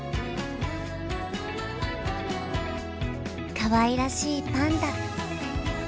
かわいらしいパンダ。